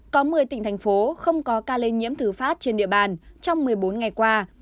có một mươi tỉnh thành phố không có ca lây nhiễm thử phát trên địa bàn trong một mươi bốn ngày qua